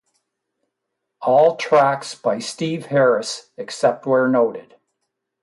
All tracks by Steve Harris except where noted.